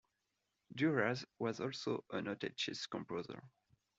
Duras was also a noted chess composer.